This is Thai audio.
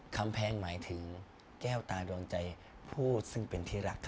คำแพงหมายถึงแก้วตาดวงใจพูดซึ่งเป็นทีรักครับผม